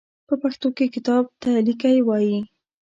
په پښتو کې کتاب ته ليکی وايي.